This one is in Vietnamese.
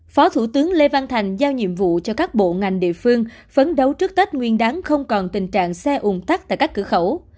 phó thủ tướng lê văn thành giao nhiệm vụ cho các bộ ngành địa phương phấn đấu trước tết nguyên đáng không còn tình trạng xe ồn tắc tại các cửa khẩu